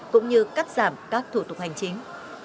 cũng như cắt giảm các thủ tục hành chính